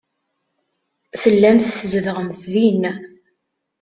Tellamt tzedɣemt din.